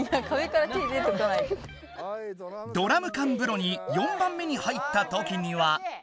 ドラム缶風呂に４番目に入ったときには。